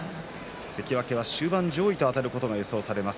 関脇は終盤、上位とあたることが予想されます。